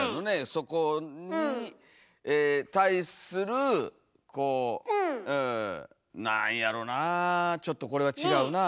そこに対するこうなんやろなちょっとこれは違うな。